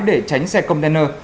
để tránh xe container